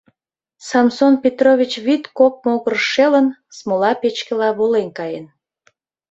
Самсон Петрович вӱд кок могырыш шелын, смола печкела волен каен.